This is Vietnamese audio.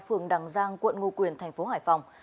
phường đằng giang quận ngo quyền thành phố hải phòng